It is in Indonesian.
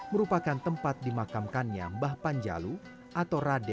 merupakan tempat dimakamkannya mbah panjalu atau raja panjalu